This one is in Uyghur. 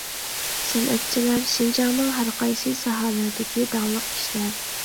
سەنئەتچىلەر شىنجاڭنىڭ ھەر قايسى ساھەلىرىدىكى داڭلىق كىشىلەر.